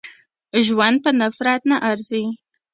ژوند په نفرت نه ارزي.